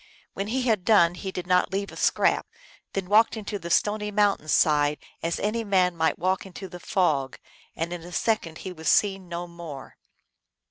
When he had done he did not leave a scrap ; then walked into the stony mountain side, as any man might walk into the fog, and in a second he was seen no more.